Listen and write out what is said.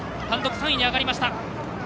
単独３位に上がりました。